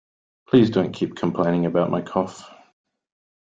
Please don't keep complaining about my cough